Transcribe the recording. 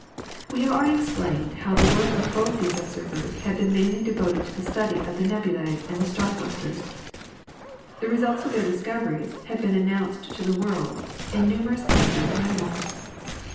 We have already explained how the work of both these observers had been mainly devoted to the study of the nebulae and the star clusters. The results of their discoveries had been announced to the world in numerous isolated memoirs.